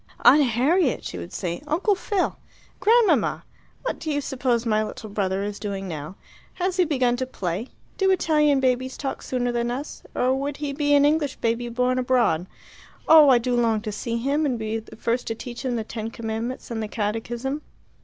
"Aunt Harriet!" she would say. "Uncle Phil! Grandmamma! What do you suppose my little brother is doing now? Has he begun to play? Do Italian babies talk sooner than us, or would he be an English baby born abroad? Oh, I do long to see him, and be the first to teach him the Ten Commandments and the Catechism."